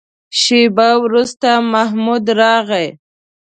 شېبه وروسته محمود راغی.